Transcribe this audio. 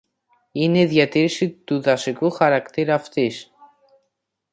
είναι η διατήρηση του δασικού χαρακτήρα αυτής